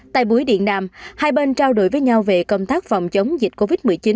tại buổi điện đàm hai bên trao đổi với nhau về công tác phòng chống dịch covid một mươi chín